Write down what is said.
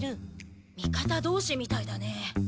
味方どうしみたいだね。